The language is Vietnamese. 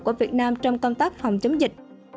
của việt nam trong công tác phòng chống dịch